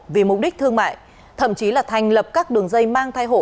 vì mục đích thương mại thậm chí là thành lập các đường dây mang thai hộ